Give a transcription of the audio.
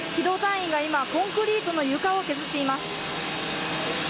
機動隊員が今コンクリートの床を削っています。